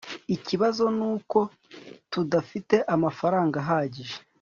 ikibazo nuko tudafite amafaranga ahagije